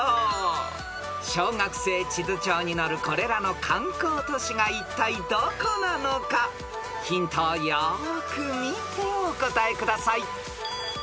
［小学生地図帳に載るこれらの観光都市がいったいどこなのかヒントをよく見てお答えください］